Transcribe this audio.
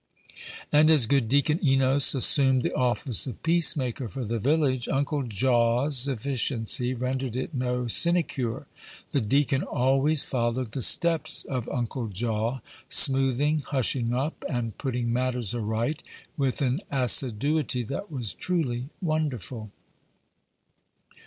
And as good Deacon Enos assumed the office of peace maker for the village, Uncle Jaw's efficiency rendered it no sinecure. The deacon always followed the steps of Uncle Jaw, smoothing, hushing up, and putting matters aright with an assiduity that was truly wonderful.